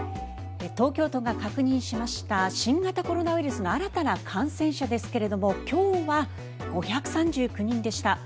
東京都が確認しました新型コロナウイルスの新たな感染者ですが今日は５３９人でした。